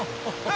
アハハハ！